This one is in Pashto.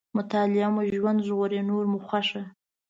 مطالعه مو ژوند ژغوري، نور مو خوښه.